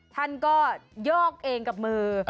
ท่านก็ยอกเองกับมือ